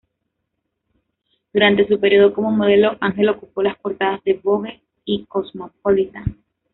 Durante su periodo como modelo, Angel ocupó las portadas de "Vogue" y "Cosmopolitan".